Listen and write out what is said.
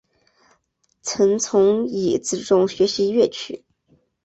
曾从尹自重学习粤曲。